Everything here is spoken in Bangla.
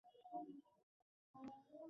এটাই আমার উত্তর।